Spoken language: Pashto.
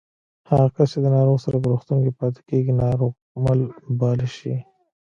هغه کس چې د ناروغ سره په روغتون کې پاتې کېږي ناروغمل باله شي